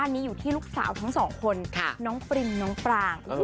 ลูกสาวทั้งสองคนน้องปรีมน้องปราง